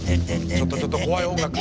ちょっとちょっと怖い音楽。